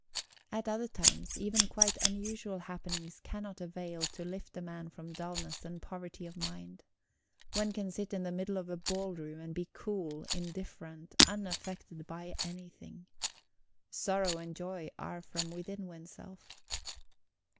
At other times, even quite unusual happenings cannot avail to lift a man from dulness and poverty of mind; one can sit in the middle of a ballroom and be cool, indifferent, unaffected by anything. Sorrow and joy are from within oneself.